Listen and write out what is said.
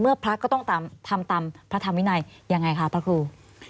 พระก็ต้องทำตามพระธรรมวินัยยังไงคะพระครู